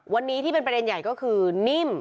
วันนี้ที่เป็นประเด็นใหญ่ก็คือนิ่ม